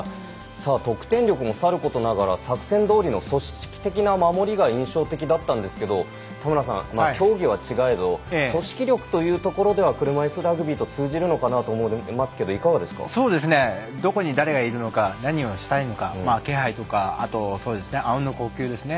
さあ得点力もさることながら作戦どおりの組織的な守りが印象的だったんですけど田村さん、競技は違えど組織力というところでは車いすラグビーと通じるのかなと思いますけどどこに誰がいるのか何をしたいのか気配とか、あとあうんの呼吸ですね。